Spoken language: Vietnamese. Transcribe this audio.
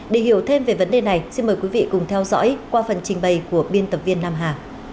để hiểu thêm về vấn đề này xin mời quý vị cùng theo dõi qua phần trình bày của biên tập viên nam hà